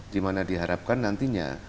dimana diharapkan nantinya